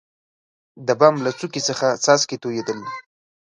دبام له څوکي څخه څاڅکي تویدل.